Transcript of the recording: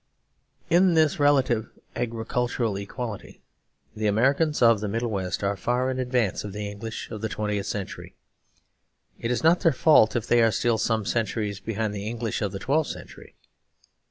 In this relative agricultural equality the Americans of the Middle West are far in advance of the English of the twentieth century. It is not their fault if they are still some centuries behind the English of the twelfth century.